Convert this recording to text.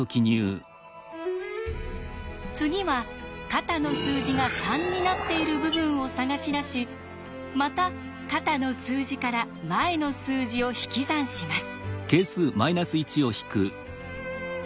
次は肩の数字が３になっている部分を探し出しまた肩の数字から前の数字を引き算します。